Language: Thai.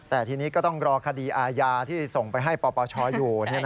แต่ทีนี้ก็ต้องรอคดีอาญาที่ส่งไปให้ปปชอยู่